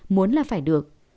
muốn là phải được